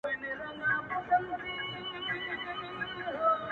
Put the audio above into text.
• ستا هم د پزي په افسر كي جـادو؛